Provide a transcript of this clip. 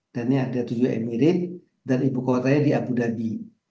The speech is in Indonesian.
dan ini ada tujuh emirat dan ibu kota di abu dhabi